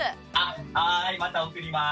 はいまた送ります。